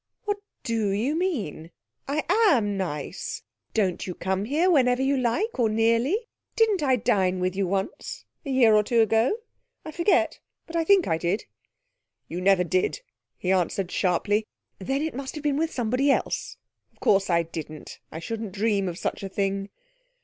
'What do you mean? I am nice. Don't you come here whenever you like or nearly? Didn't I dine with you once a year or two ago? I forget, but I think I did.' 'You never did,' he answered sharply. 'Then it must have been with somebody else. Of course I didn't. I shouldn't dream of such a thing.'